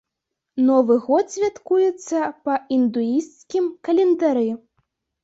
Новы год святкуецца па індуісцкім календары.